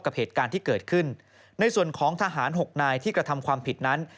กับเหตุการณ์ที่เกิดขึ้นในส่วนของทหารหกนายที่กระทำความผิดนั้น